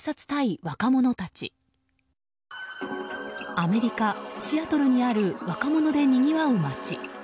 アメリカ・シアトルにある若者でにぎわう街。